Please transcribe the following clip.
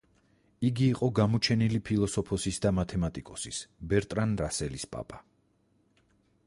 იგი იყო გამოჩენილი ფილოსოფოსის და მათემატიკოსის ბერტრან რასელის პაპა.